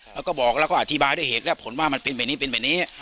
แล้วก็บอกแล้วก็อธิบายด้วยเหตุและผลว่ามันเป็นแบบนี้เป็นแบบนี้